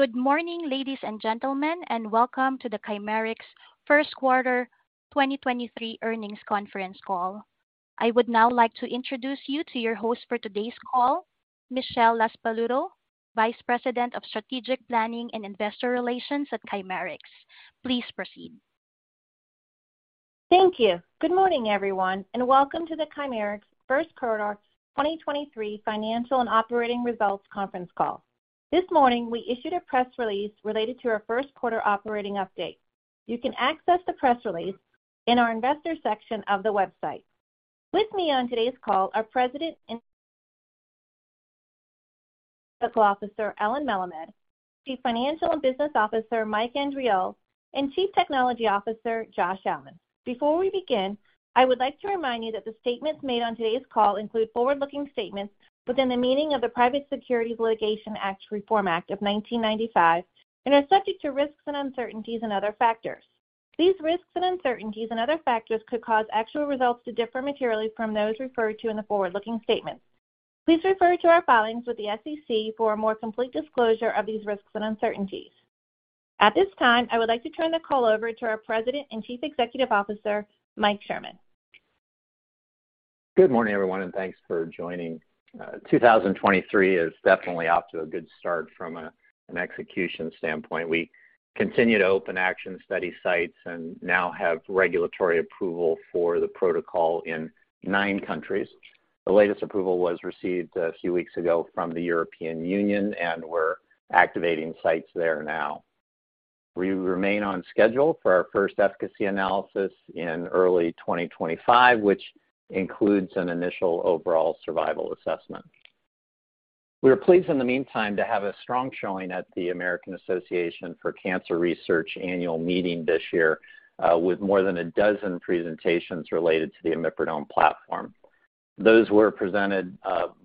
Good morning, ladies and gentlemen, welcome to the Chimerix Q1 2023 Earnings Conference Call. I would now like to introduce you to your host for today's call, Michelle LaSpaluto, Vice President of Strategic Planning and Investor Relations at Chimerix. Please proceed. Thank you. Good morning, everyone, and welcome to the Chimerix Q1 2023 financial and operating results conference call. This morning, we issued a press release related to our Q1 operating update. You can access the press release in our investor section of the website. With me on today's call are Chief Medical Officer, Allen Melemed, Chief Financial and Business Officer, Mike Andriole, and Chief Technology Officer, Josh Allen. Before we begin, I would like to remind you that the statements made on today's call include forward-looking statements within the meaning of the Private Securities Litigation Reform Act of 1995 and are subject to risks and uncertainties and other factors. These risks and uncertainties and other factors could cause actual results to differ materially from those referred to in the forward-looking statements. Please refer to our filings with the SEC for a more complete disclosure of these risks and uncertainties. At this time, I would like to turn the call over to our President and Chief Executive Officer, Mike Sherman. Good morning, everyone, and thanks for joining. 2023 is definitely off to an execution standpoint. We continue to open ACTION study sites and now have regulatory approval for the protocol in nine countries. The latest approval was received a few weeks ago from the European Union, and we're activating sites there now. We remain on schedule for our first efficacy analysis in early 2025, which includes an initial overall survival assessment. We are pleased in the meantime to have a strong showing at the American Association for Cancer Research annual meeting this year with more than a dozen presentations related to the imipridone platform. Those were presented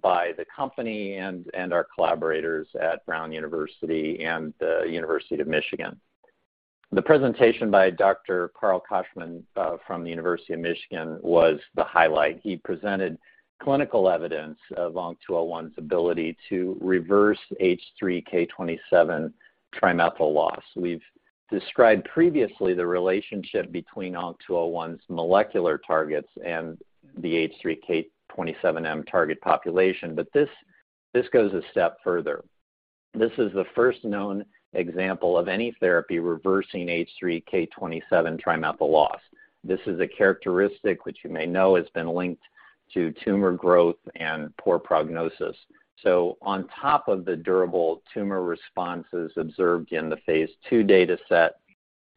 by the company and our collaborators at Brown University and the University of Michigan. The presentation by Dr. Sung Choi from the University of Michigan was the highlight. He presented clinical evidence of ONC201's ability to reverse H3K27 trimethyl loss. We've described previously the relationship between ONC201's molecular targets and the H3K27M target population. This goes a step further. This is the first known example of any therapy reversing H3K27 trimethyl loss. This is a characteristic which you may know has been linked to tumor growth and poor prognosis. On top of the durable tumor responses observed in the Phase II dataset,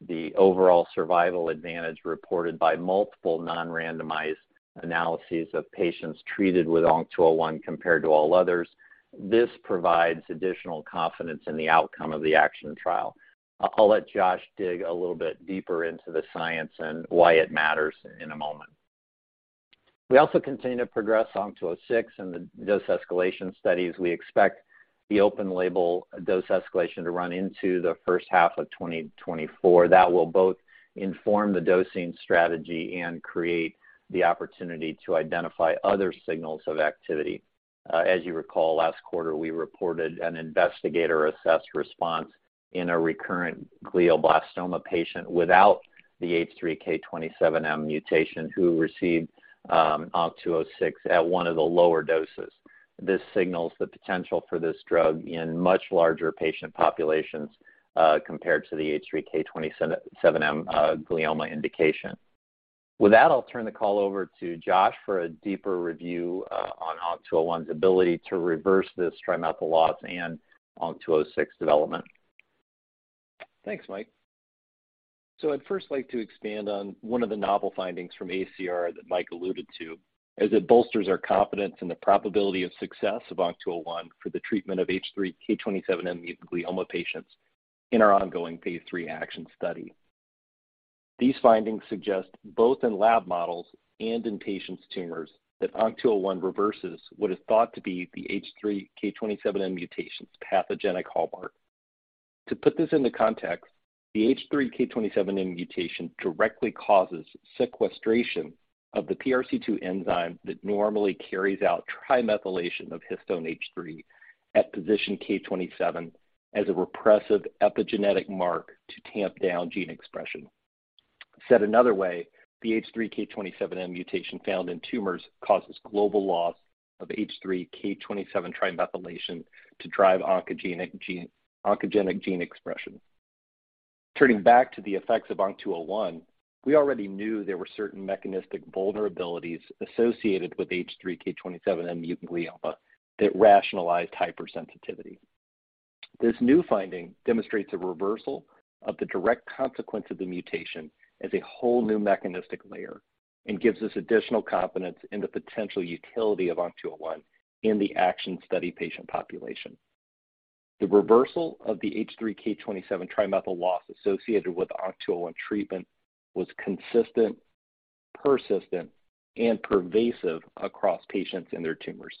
the overall survival advantage reported by multiple non-randomized analyses of patients treated with ONC201 compared to all others, this provides additional confidence in the outcome of the ACTION trial. I'll let Josh dig a little bit deeper into the science and why it matters in a moment. We also continue to progress ONC206 in the dose escalation studies. We expect the open label dose escalation to run into the first half of 2024. That will both inform the dosing strategy and create the opportunity to identify other signals of activity. As you recall, last quarter, we reported an investigator-assessed response in a recurrent glioblastoma patient without the H3K27M mutation who received ONC206 at one of the lower doses. This signals the potential for this drug in much larger patient populations compared to the H3K27M glioma indication. With that, I'll turn the call over to Josh for a deeper review on ONC201's ability to reverse this trimethyl loss and ONC206 development. Thanks, Mike. I'd first like to expand on one of the novel findings from AACR that Mike alluded to, as it bolsters our confidence in the probability of success of ONC201 for the treatment of H3K27M-mutant glioma patients in our ongoing Phase III ACTION study. These findings suggest both in lab models and in patients' tumors that ONC201 reverses what is thought to be the H3K27M mutation's pathogenic hallmark. To put this into context, the H3K27M mutation directly causes sequestration of the PRC2 enzyme that normally carries out trimethylation of Histone H3 at position K27 as a repressive epigenetic mark to tamp down gene expression. Said another way, the H3K27M mutation found in tumors causes global loss of H3K27 trimethylation to drive oncogenic gene expression. Turning back to the effects of ONC201, we already knew there were certain mechanistic vulnerabilities associated with H3K27M mutant glioma that rationalized hypersensitivity. This new finding demonstrates a reversal of the direct consequence of the mutation as a whole new mechanistic layer and gives us additional confidence in the potential utility of ONC201 in the ACTION study patient population. The reversal of the H3K27 trimethyl loss associated with ONC201 treatment was consistent, persistent, and pervasive across patients in their tumors.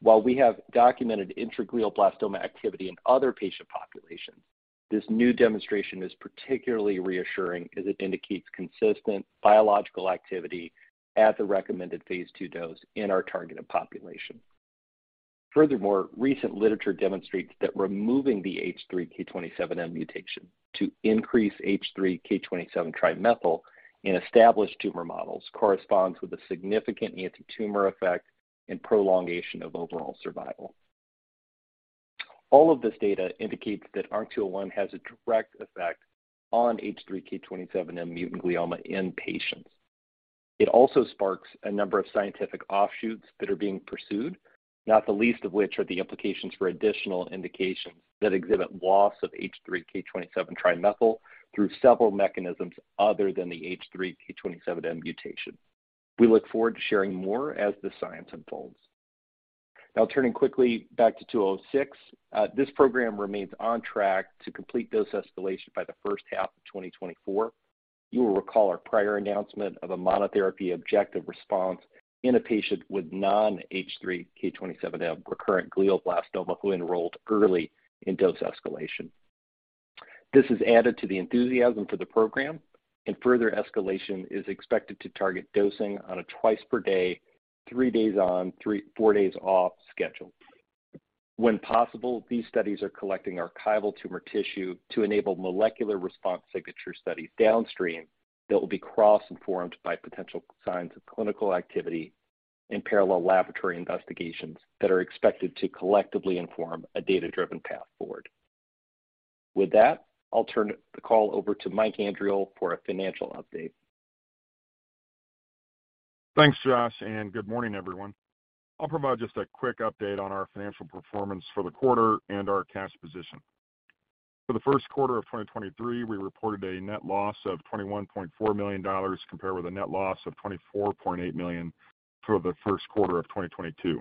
While we have documented glioblastoma activity in other patient populations. This new demonstration is particularly reassuring as it indicates consistent biological activity at the recommended Phase II dose in our targeted population. Recent literature demonstrates that removing the H3K27M mutation to increase H3K27 trimethyl in established tumor models corresponds with a significant antitumor effect and prolongation of overall survival. All of this data indicates that ONC206 has a direct effect on H3K27M mutant glioma in patients. It also sparks a number of scientific offshoots that are being pursued, not the least of which are the implications for additional indications that exhibit loss of H3K27 trimethyl through several mechanisms other than the H3K27M mutation. We look forward to sharing more as the science unfolds. Turning quickly back to 206, this program remains on track to complete dose escalation by the first half of 2024. You will recall our prior announcement of a monotherapy objective response in a patient with non H3K27M recurrent glioblastoma who enrolled early in dose escalation. This has added to the enthusiasm for the program and further escalation is expected to target dosing on a twice per day, three days on, four days off schedule. When possible, these studies are collecting archival tumor tissue to enable molecular response signature studies downstream that will be cross-informed by potential signs of clinical activity and parallel laboratory investigations that are expected to collectively inform a data-driven path forward. With that, I'll turn the call over to Mike Andriole for a financial update. Thanks, Josh, good morning, everyone. I'll provide just a quick update on our financial performance for the quarter and our cash position. For the Q1 of 2023, we reported a net loss of $21.4 million compared with a net loss of $24.8 million for the Q1 of 2022.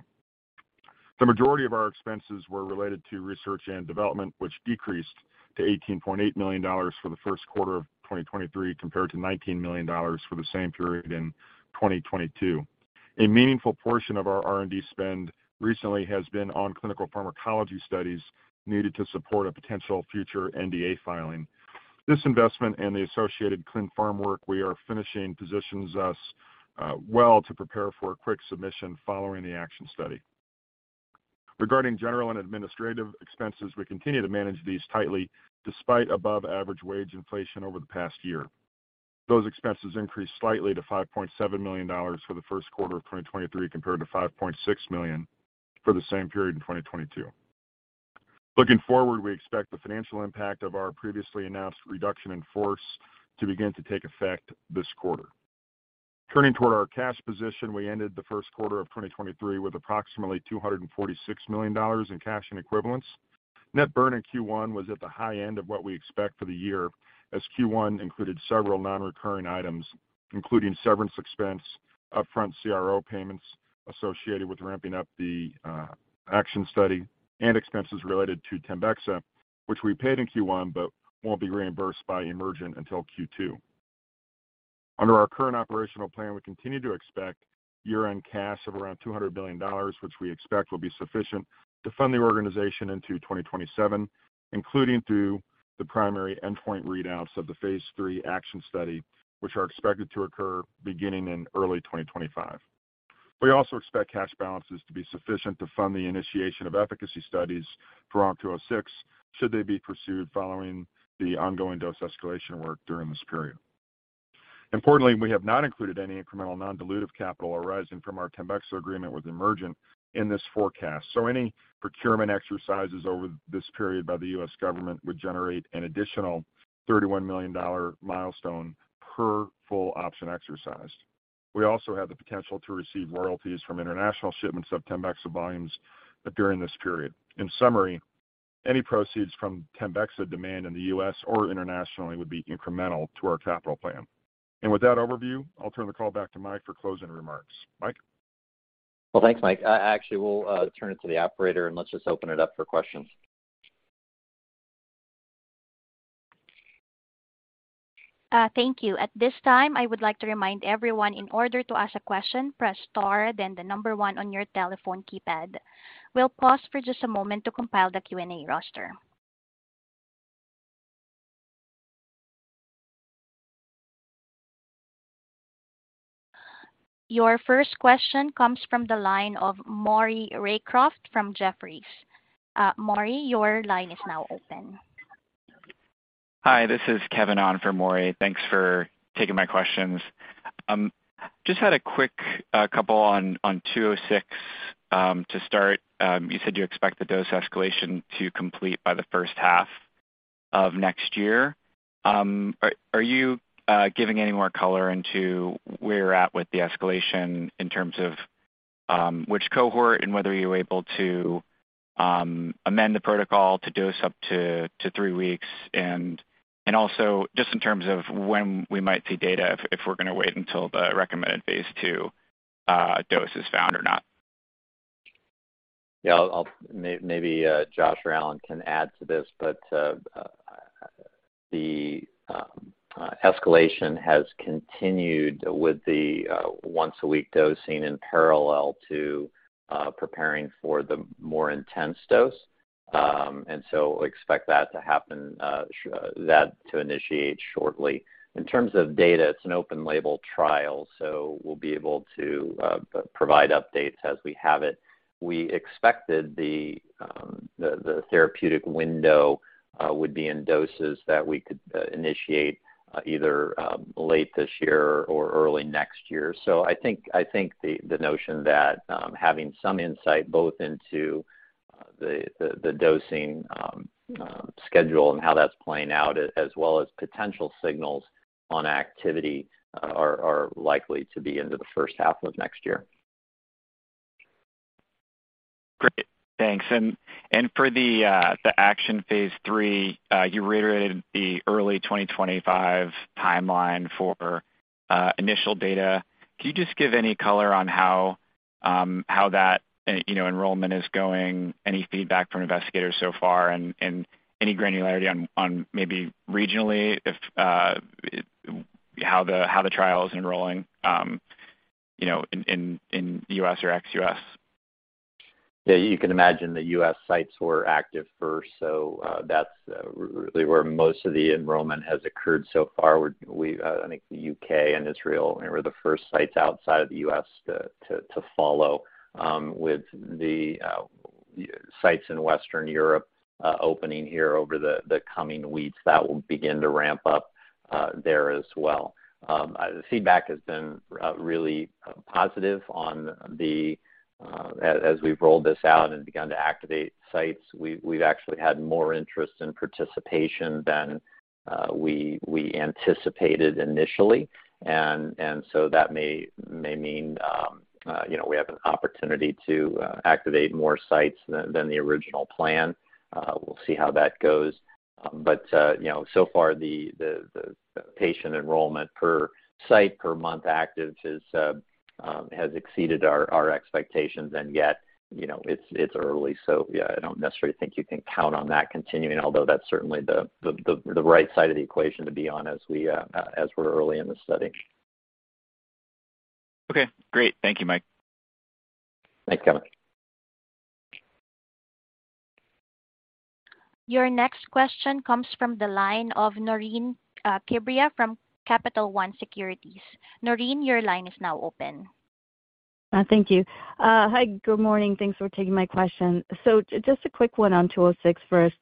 The majority of our expenses were related to research and development, which decreased to $18.8 million for the Q1 of 2023 compared to $19 million for the same period in 2022. A meaningful portion of our R&D spend recently has been on clinical pharmacology studies needed to support a potential future NDA filing. This investment and the associated clin pharm work we are finishing positions us well to prepare for a quick submission following the ACTION study. Regarding general and administrative expenses, we continue to manage these tightly despite above average wage inflation over the past year. Those expenses increased slightly to $5.7 million for the Q1 of 2023 compared to $5.6 million for the same period in 2022. Looking forward, we expect the financial impact of our previously announced reduction in force to begin to take effect this quarter. Turning toward our cash position, we ended the Q1 of 2023 with approximately $246 million in cash and equivalents. Net burn in Q1 was at the high end of what we expect for the year, as Q1 included several non-recurring items, including severance expense, upfront CRO payments associated with ramping up the ACTION study, and expenses related to TEMBEXA, which we paid in Q1, but won't be reimbursed by Emergent until Q2. Under our current operational plan, we continue to expect year-end cash of around $200 billion, which we expect will be sufficient to fund the organization into 2027, including through the primary endpoint readouts of the Phase III ACTION study, which are expected to occur beginning in early 2025. We also expect cash balances to be sufficient to fund the initiation of efficacy studies for ONC206, should they be pursued following the ongoing dose escalation work during this period. Importantly, we have not included any incremental non-dilutive capital arising from our TEMBEXA agreement with Emergent BioSolutions in this forecast. Any procurement exercises over this period by the US government would generate an additional $31 million milestone per full option exercise. We also have the potential to receive royalties from international shipments of TEMBEXA volumes during this period. In summary, any proceeds from TEMBEXA demand in the US or internationally would be incremental to our capital plan. With that overview, I'll turn the call back to Mike for closing remarks. Mike? Well, thanks, Mike. actually, we'll turn it to the operator, and let's just open it up for questions. Thank you. At this time, I would like to remind everyone in order to ask a question, press star then 1 on your telephone keypad. We'll pause for just a moment to compile the Q&A roster. Your first question comes from the line of Maury Raycroft from Jefferies. Maury, your line is now open. Hi, this is Kevin on for Maury. Thanks for taking my questions. Just had a quick couple on ONC206 to start. You said you expect the dose escalation to complete by the first half of next year. Are you giving any more color into where you're at with the escalation in terms of which cohort and whether you're able to amend the protocol to dose up to 3 weeks? Also just in terms of when we might see data, if we're gonna wait until the recommended Phase II dose is found or not. Yeah. Maybe Josh or Allen can add to this, but The escalation has continued with the once a week dosing in parallel to preparing for the more intense dose. Expect that to happen, that to initiate shortly. In terms of data, it's an open label trial, so we'll be able to provide updates as we have it. We expected the therapeutic window would be in doses that we could initiate either late this year or early next year. I think the notion that having some insight both into the dosing schedule and how that's playing out, as well as potential signals on activity are likely to be into the first half of next year. Great. Thanks. For the ACTION Phase III, you reiterated the early 2025 timeline for initial data. Can you just give any color on how that, you know, enrollment is going? Any feedback from investigators so far? Any granularity on maybe regionally if, how the trial is enrolling, you know, in US or ex-U.S.? Yeah, you can imagine the US sites were active first, so that's really where most of the enrollment has occurred so far. I think the U.K. and Israel were the first sites outside of the US to follow with the sites in Western Europe opening here over the coming weeks. That will begin to ramp up there as well. The feedback has been really positive on the. As we've rolled this out and begun to activate sites, we've actually had more interest and participation than we anticipated initially. That may mean, you know, we have an opportunity to activate more sites than the original plan. We'll see how that goes. You know, so far, the patient enrollment per site per month active has exceeded our expectations, and yet, you know, it's early. Yeah, I don't necessarily think you can count on that continuing, although that's certainly the right side of the equation to be on as we're early in the study. Okay, great. Thank you, Mike. Thanks, Kevin. Your next question comes from the line of Naureen Quibria from Capital One Securities. Noreen, your line is now open. Thank you. Hi. Good morning. Thanks for taking my question. Just a quick one on ONC206 first,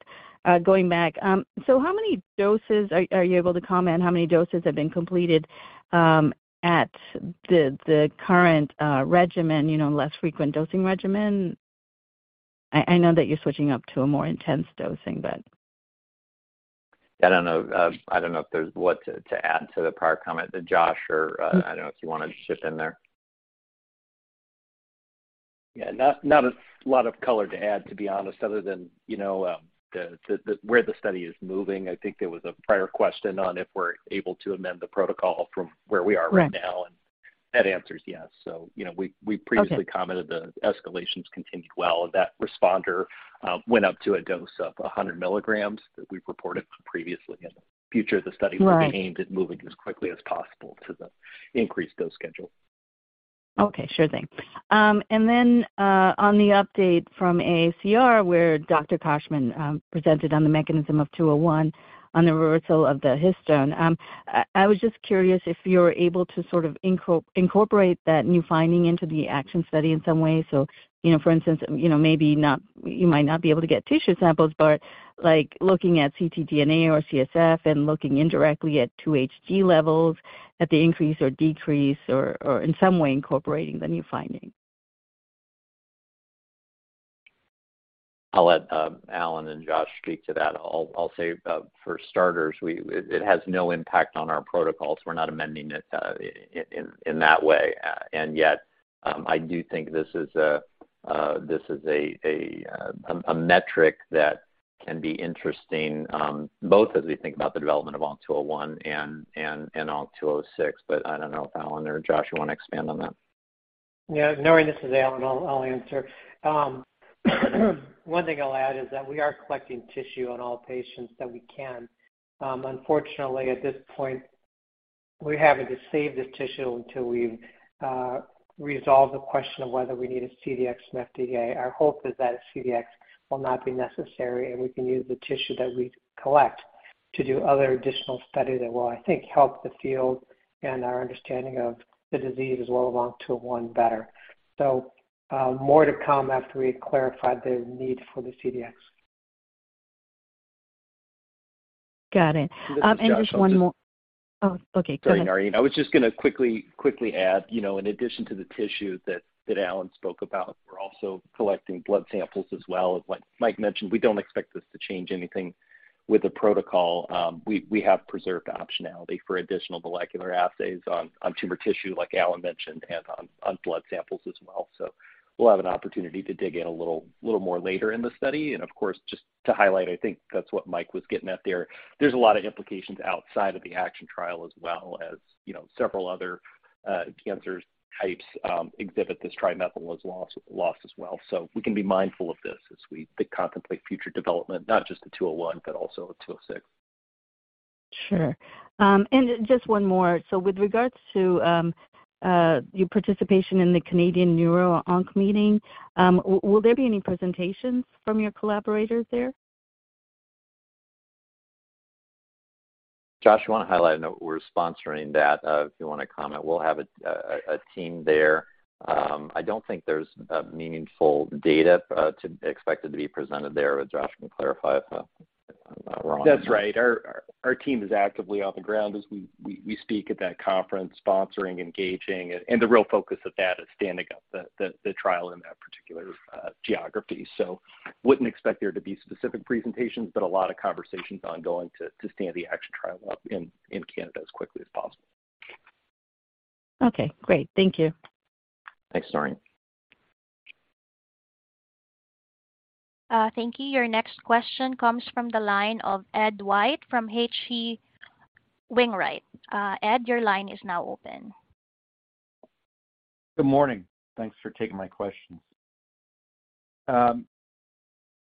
going back. Are you able to comment how many doses have been completed at the current regimen, you know, less frequent dosing regimen? I know that you're switching up to a more intense dosing. I don't know, I don't know what to add to the prior comment. Josh or, I don't know if you wanna chip in there. Yeah. Not, not a lot of color to add, to be honest, other than, you know, where the study is moving. I think there was a prior question on if we're able to amend the protocol from where we are right now. Right. That answer is yes. You know, we Okay. previously commented the escalations continued well, and that responder, went up to a dose of 100 milligrams that we've reported previously. Right. will be aimed at moving as quickly as possible to the increased dose schedule. Okay. Sure thing. On the update from AACR, where Dr. Koschmann presented on the mechanism of ONC201 on the reversal of the histone. I was just curious if you're able to sort of incorporate that new finding into the ACTION study in some way. You know, for instance, you know, maybe not, you might not be able to get tissue samples, but like, looking at ctDNA or CSF and looking indirectly at 2-HG levels at the increase or decrease or in some way incorporating the new finding. I'll let Allen and Josh speak to that. I'll say for starters, it has no impact on our protocols. We're not amending it in that way. Yet, I do think this is a metric that can be interesting, both as we think about the development of ONC201 and ONC206, but I don't know if Allen or Josh you wanna expand on that. Yeah. Naureen, this is Allen. I'll answer. One thing I'll add is that we are collecting tissue on all patients that we can. Unfortunately, at this point, we're having to save the tissue until we resolve the question of whether we need a CDX from FDA. Our hope is that a CDX will not be necessary, and we can use the tissue that we collect to do other additional studies that will, I think, help the field and our understanding of the disease as well along ONC201 better. More to come after we clarify the need for the CDX. Got it. This is Josh. Oh, okay. Go ahead. Sorry, Noreen. I was just gonna quickly add, you know, in addition to the tissue that Allen Melemed spoke about, we're also collecting blood samples as well. Like Mike mentioned, we don't expect this to change anything with the protocol. We have preserved optionality for additional molecular assays on tumor tissue, like Allen Melemed mentioned, and on blood samples as well. We'll have an opportunity to dig in a little more later in the study. Of course, just to highlight, I think that's what Mike was getting at there. There's a lot of implications outside of the ACTION trial as well as, you know, several other cancer types exhibit this trimethyl loss as well. We can be mindful of this as we contemplate future development, not just ONC201, but also ONC206. Sure. Just one more. With regards to your participation in the Canadian Neuro-Oncology Meeting, will there be any presentations from your collaborators there? Josh, you wanna highlight? I know we're sponsoring that, if you wanna comment. We'll have a team there. I don't think there's meaningful data expected to be presented there, but Josh can clarify if I'm wrong. That's right. Our team is actively on the ground as we speak at that conference, sponsoring, engaging, and the real focus of that is standing up the trial in that particular geography. Wouldn't expect there to be specific presentations, but a lot of conversations ongoing to stand the ACTION trial up in Canada as quickly as possible. Okay, great. Thank you. Thanks, Naureen. Thank you. Your next question comes from the line of Ed White from H.C. Wainwright. Ed, your line is now open. Good morning. Thanks for taking my questions.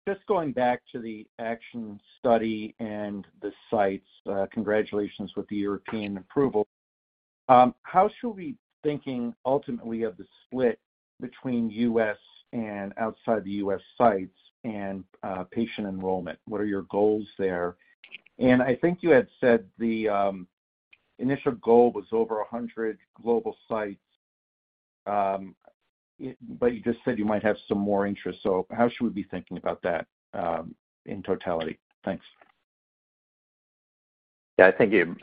Just going back to the ACTION study and the sites, congratulations with the European approval. How should we be thinking ultimately of the split between US and outside the US sites and patient enrollment? What are your goals there? I think you had said the initial goal was over 100 global sites, but you just said you might have some more interest. How should we be thinking about that in totality? Thanks. Yeah. Thank you.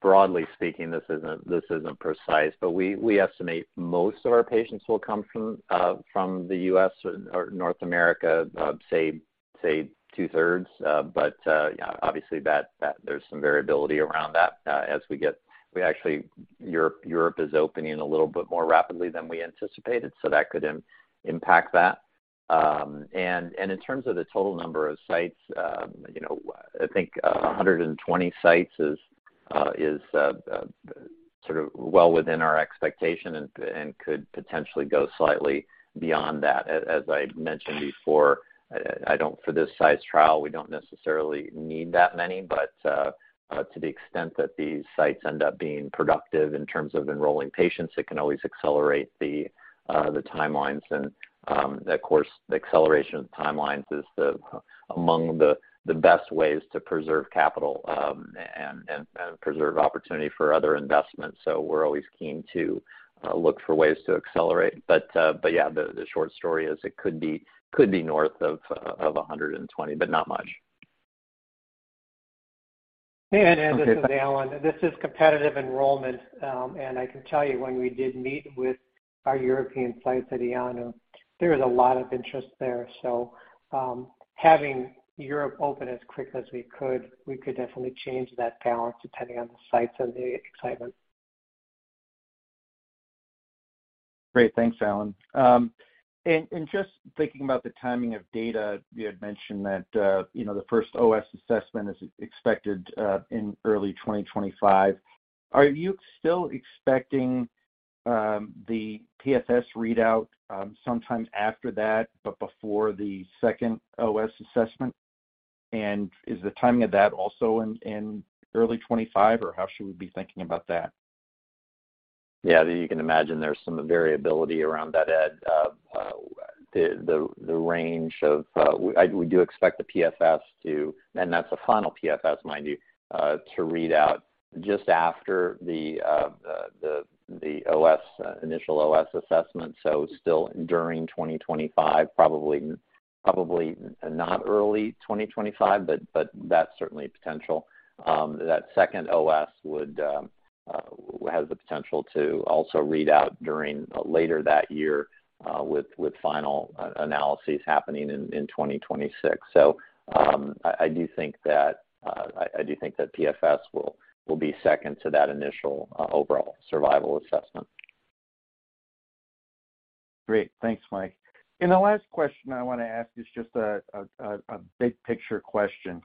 Broadly speaking, this isn't, this isn't precise, but we estimate most of our patients will come from the US or North America, say two-thirds. Yeah, obviously that there's some variability around that. Europe is opening a little bit more rapidly than we anticipated, so that could impact that. In terms of the total number of sites, you know, I think 120 sites is sort of well within our expectation and could potentially go slightly beyond that. As I mentioned before, I don't. For this size trial, we don't necessarily need that many, but to the extent that these sites end up being productive in terms of enrolling patients, it can always accelerate the timelines and of course, the acceleration of timelines is among the best ways to preserve capital and preserve opportunity for other investments. We're always keen to look for ways to accelerate. Yeah, the short story is it could be north of 120, but not much. Hey, Ed. Okay, thanks. This is Alan. This is competitive enrollment. I can tell you when we did meet with our European sites at EANO, there was a lot of interest there. Having Europe open as quick as we could, we could definitely change that balance depending on the sites and the excitement. Great. Thanks, Allen. Just thinking about the timing of data, you had mentioned that, you know, the first OS assessment is expected in early 2025. Are you still expecting the PFS readout sometime after that but before the second OS assessment? Is the timing of that also in early 2025, or how should we be thinking about that? You can imagine there's some variability around that, Ed. We do expect the PFS to, and that's a final PFS, mind you, to read out just after the OS, initial OS assessment, still during 2025, probably not early 2025, but that's certainly a potential. That second OS would has the potential to also read out during later that year, with final analyses happening in 2026. I do think that I do think that PFS will be second to that initial overall survival assessment. Great. Thanks, Mike. The last question I wanna ask is just a big picture question.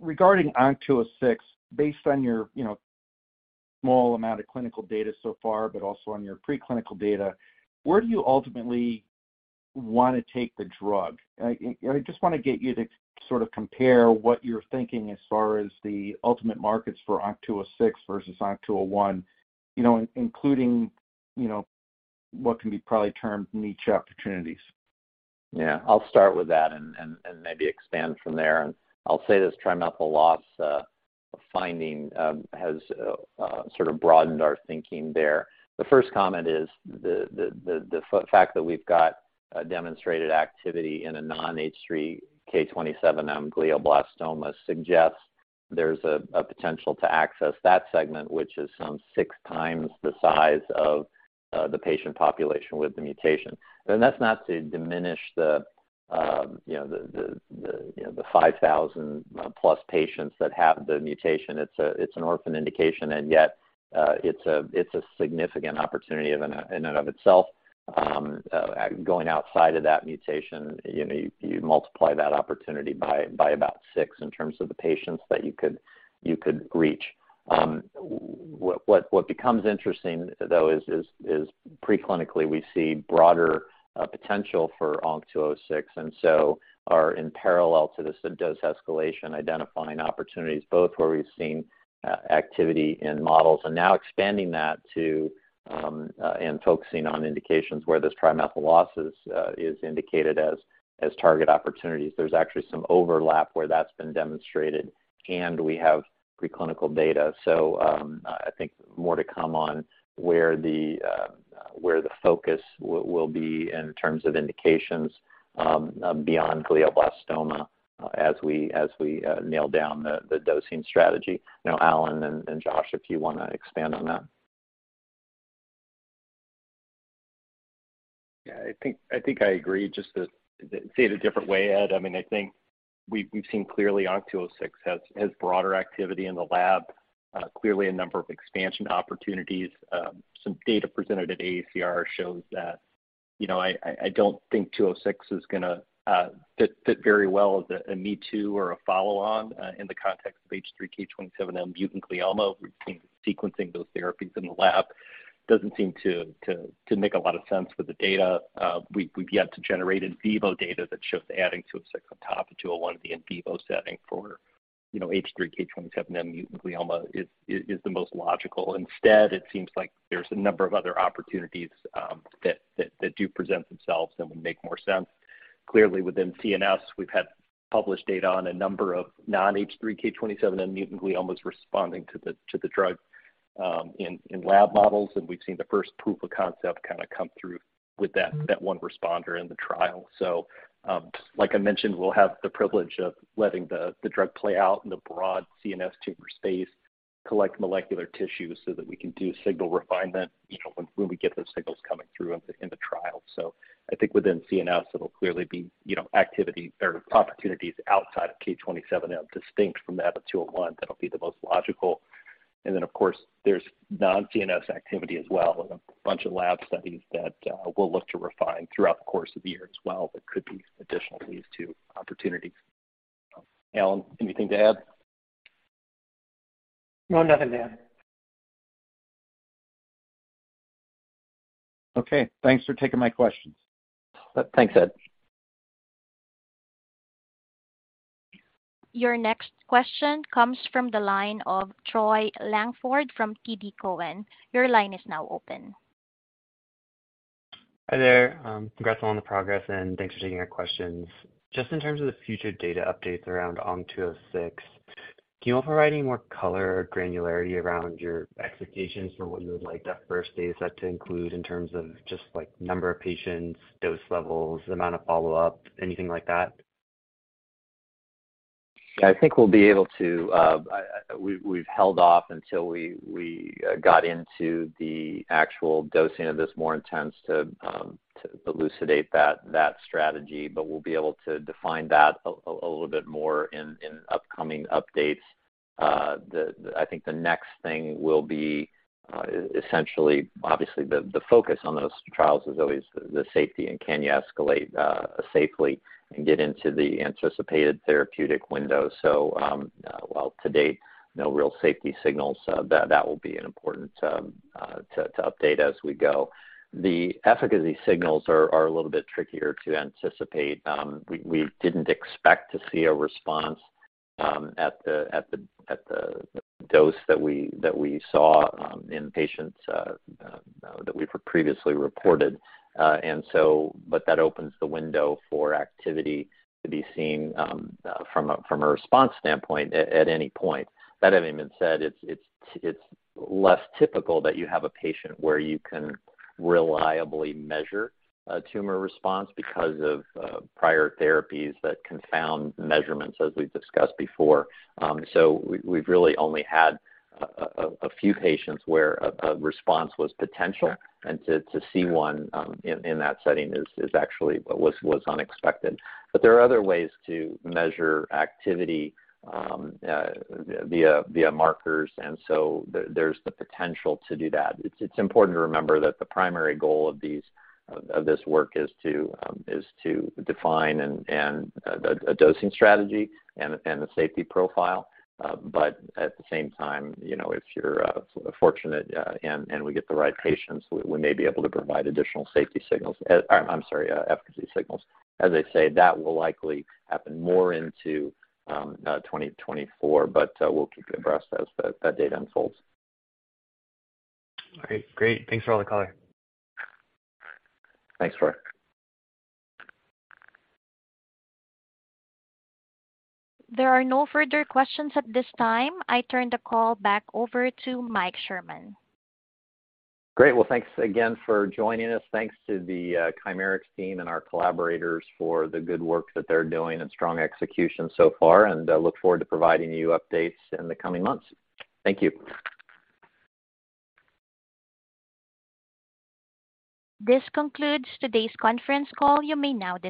Regarding ONC206, based on your, you know, small amount of clinical data so far, but also on your preclinical data, where do you ultimately wanna take the drug? I just wanna get you to sort of compare what you're thinking as far as the ultimate markets for ONC206 versus ONC201, you know, including, you know, what can be probably termed niche opportunities. Yeah. I'll start with that and maybe expand from there. I'll say this trimethyl loss finding has sort of broadened our thinking there. The first comment is the fact that we've got demonstrated activity in a non H3K27M glioblastoma suggests there's a potential to access that segment, which is some 6 times the size of the patient population with the mutation. That's not to diminish the, you know, the 5,000 plus patients that have the mutation. It's an orphan indication, and yet, it's a significant opportunity in and of itself. Going outside of that mutation, you know, you multiply that opportunity by about 6 in terms of the patients that you could reach. What becomes interesting though is preclinically we see broader potential for ONC206, and so are in parallel to this dose escalation, identifying opportunities both where we've seen activity in models and now expanding that to and focusing on indications where this Trimethyl losses is indicated as target opportunities. There's actually some overlap where that's been demonstrated, and we have preclinical data. I think more to come on where the focus will be in terms of indications beyond glioblastoma as we nail down the dosing strategy. You know, Allen and Josh, if you wanna expand on that. Yeah. I think I agree. Just to say it a different way, Ed, I mean, I think we've seen clearly ONC206 has broader activity in the lab, clearly a number of expansion opportunities. Some data presented at AACR shows that, you know, I don't think 206 is gonna fit very well as a me too or a follow-on in the context of H3K27M mutant glioma. We've seen sequencing those therapies in the lab doesn't seem to make a lot of sense with the data. We've yet to generate in vivo data that shows adding 206 on top of 201 in the in vivo setting for, you know, H3K27M mutant glioma is the most logical. Instead it seems like there's a number of other opportunities that do present themselves and would make more sense. Clearly within CNS, we've had published data on a number of non-H3K27M mutant gliomas responding to the drug in lab models, and we've seen the first proof of concept kinda come through with that one responder in the trial. Like I mentioned, we'll have the privilege of letting the drug play out in the broad CNS tumor space, collect molecular tissues so that we can do signal refinement, you know, when we get those signals coming through in the trial. I think within CNS it'll clearly be, you know, activity or opportunities outside of K, 27 M distinct from that 201 that'll be the most logical. Of course there's non-CNS activity as well with a bunch of lab studies that we'll look to refine throughout the course of the year as well that could be additional leads to opportunities. Alan, anything to add? No, nothing to add. Okay. Thanks for taking my questions. Thanks, Ed. Your next question comes from the line of Joseph Thome from TD Cowen. Your line is now open. Hi there. Congrats on the progress and thanks for taking our questions. Just in terms of the future data updates around ONC206, can you offer any more color or granularity around your expectations for what you would like that first data set to include in terms of just like number of patients, dose levels, amount of follow-up, anything like that? I think we'll be able to. We've held off until we got into the actual dosing of this more intense to elucidate that strategy, but we'll be able to define that a little bit more in upcoming updates. I think the next thing will be essentially obviously the focus on those trials is always the safety and can you escalate safely and get into the anticipated therapeutic window. While to date, no real safety signals, that will be an important to update as we go. The efficacy signals are a little bit trickier to anticipate. We didn't expect to see a response at the dose that we saw in patients that we've previously reported. That opens the window for activity to be seen from a response standpoint at any point. That having been said, it's less typical that you have a patient where you can reliably measure a tumor response because of prior therapies that confound measurements as we've discussed before. We've really only had a few patients where a response was potential and to see one in that setting is actually unexpected. There are other ways to measure activity via markers, and so there's the potential to do that. It's important to remember that the primary goal of these of this work is to define a dosing strategy and the safety profile. At the same time, you know, if you're fortunate, and we get the right patients, we may be able to provide additional safety signals. I'm sorry, efficacy signals. As I say, that will likely happen more into 2024, but we'll keep you abreast as that data unfolds. All right. Great. Thanks for all the color. Thanks, Troy. There are no further questions at this time. I turn the call back over to Mike Sherman. Great. Well, thanks again for joining us. Thanks to the Chimerix team and our collaborators for the good work that they're doing and strong execution so far, and look forward to providing you updates in the coming months. Thank you. This concludes today's conference call. You may now disconnect.